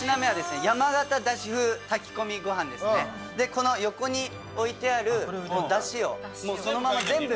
この横に置いてあるだしをそのまま全部。